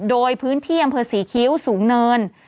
โดยพื้นที่อำเภอศรีคิ้วสูงเนิน